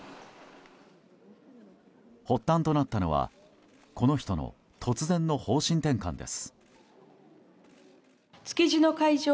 発端となったのはこの人の突然の方針転換です。